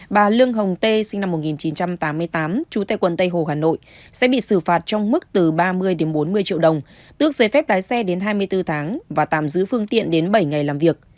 bà lương hồng tê sinh năm một nghìn chín trăm tám mươi tám trú tại quận tây hồ hà nội sẽ bị xử phạt trong mức từ ba mươi bốn mươi triệu đồng tước giấy phép lái xe đến hai mươi bốn tháng và tạm giữ phương tiện đến bảy ngày làm việc